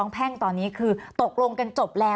มีความรู้สึกว่าเสียใจ